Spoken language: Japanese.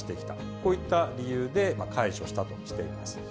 こういった理由で解除したとしています。